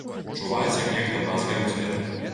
Чуваць, як нехта бразгае ў дзверы.